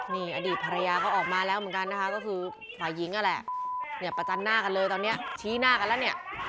นี่อดีตภรรยาก็ออกมาแล้วเหมือนกันนะคะก็คือฝ่ายหญิงนั่นแหละเนี่ยประจันหน้ากันเลยตอนนี้ชี้หน้ากันแล้วเนี่ย